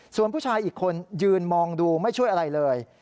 ส่วนผู้ชายอีกคนยืนมองดูไม่ช่วยอะไรเลย